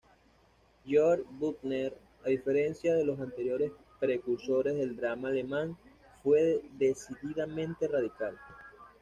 Georg Büchner, a diferencia de los anteriores precursores del drama alemán, fue decididamente radical.